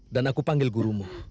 dan aku panggil gurumu